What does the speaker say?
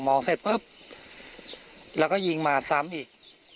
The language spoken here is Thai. เสร็จปุ๊บแล้วก็ยิงมาซ้ำอีก